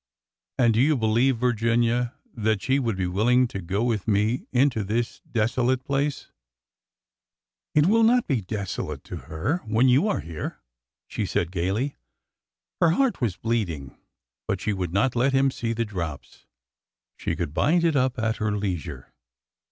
And do you believe, Virginia, that she would be willing to go with me into this desolate place ?" It will not be desolate to her when you are here," she said gaily. Her heart was bleeding, but she would not let him see the drops. She could bind it up at her leisure.